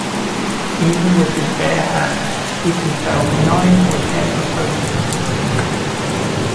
Even with his bare hands, he can fell nine or ten opponents.